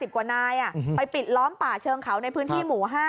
กว่านายไปปิดล้อมป่าเชิงเขาในพื้นที่หมู่๕